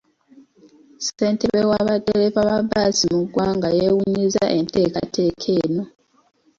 Ssentebe wa baddereeva ba bbaasi mu ggwanga yeewuunyizza enteekateeka eno.